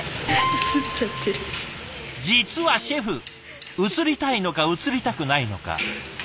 実はシェフ映りたいのか映りたくないのか。